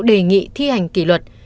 đề nghị thi hành kỷ luật